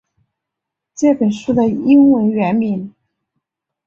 这本书的英文原名